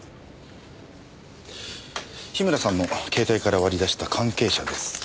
樋村さんの携帯から割り出した関係者です。